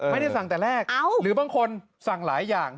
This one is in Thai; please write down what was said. ไม่ได้สั่งแต่แรกหรือบางคนสั่งหลายอย่าง